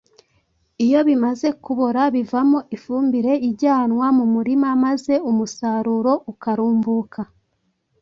Iyo bimaze kubora bivamo ifumbire ijyanwa mu murima maze umusaruro ukarumbuka.